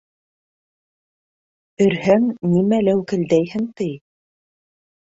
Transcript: Өрһәң, нимә ләүкелдәйһең, ти.